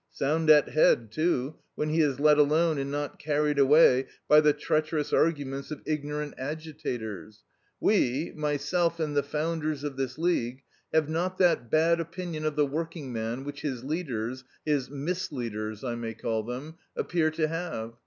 Sound at head too, when he is let alone and not carried away by the treacherous arguments of ignorant agitators. We myself and the founders of this League have not that bad opinion of the working man which his leaders his misleaders, I may call them appear to have.